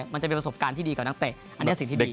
มันจะเป็นประสบการณ์ที่ดีกว่านักเตะอันนี้สิ่งที่ดี